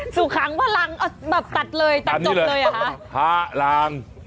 สุขังพลังอ่ะแบบตัดเลยตัดจบเลยหรอภาพลัง